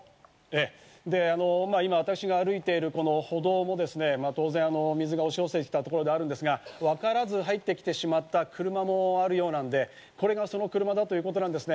私が歩いているこの歩道も当然、水が押し寄せてきたのがわかるんですが、わからず入ってきてしまった車もあるようなので、これがその車なんです。